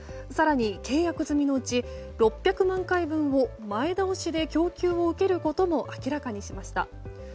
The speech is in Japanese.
更に契約済みのうち６００万回分を前倒しで供給を受けることも明らかにしました。